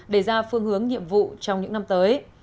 để ra phương hướng nhiệm vụ trong những năm tới